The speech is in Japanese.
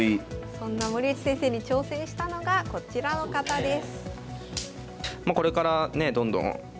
そんな森内先生に挑戦したのがこちらの方です。